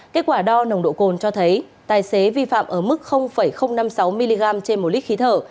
kết quả đo nồng độ cồn cho thấy tài xế vi phạm ở mức năm mươi sáu mg trên một lít khí thở